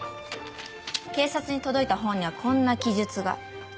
警察に届いた方にはこんな記述が。